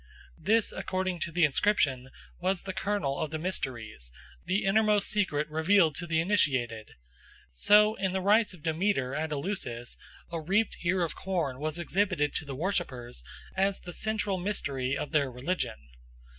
This, according to the inscription, was the kernel of the mysteries, the innermost secret revealed to the initiated. So in the rites of Demeter at Eleusis a reaped ear of corn was exhibited to the worshippers as the central mystery of their religion.